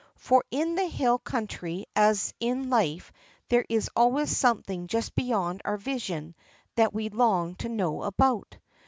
For in the hill country as in life there is always something just beyond our vision that we long to know about.